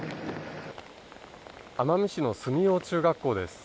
奄美市の住用中学校です。